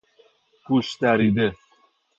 گوشدریده